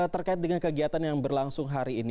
terkait dengan kegiatan yang berlangsung hari ini